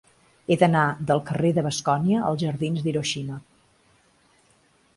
He d'anar del carrer de Bascònia als jardins d'Hiroshima.